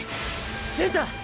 純太！